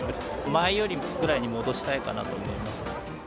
前よりぐらいに戻したいかなと思います。